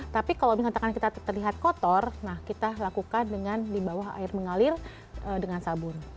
tapi kalau misalkan kita terlihat kotor nah kita lakukan dengan di bawah air mengalir dengan sabun